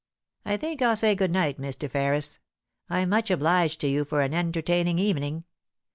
I think I'll say good night, Mr. Ferris. I'm much obliged to you for an entertaining evening.